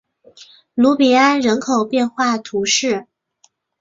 卢比安人口变化图示